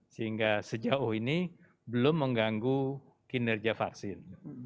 sehingga sejauh ini belum mengganggu kinerja vaksin